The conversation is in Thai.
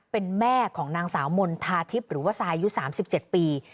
เป็นแม่ของนางสาวมณฑาทิพย์หรือว่าทรายอายุ๓๗ปี